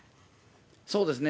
そうですね。